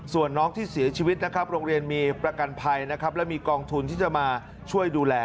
ส่วนน้องที่เสียชีวิตนะครับโรงเรียนมีประกันภัยนะครับและมีกองทุนที่จะมาช่วยดูแล